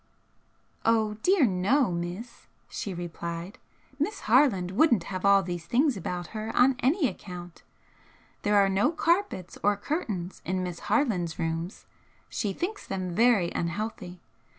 "Oh dear no, miss," she replied "Miss Harland wouldn't have all these things about her on any account. There are no carpets or curtains in Miss Harland's rooms. She thinks them very unhealthy.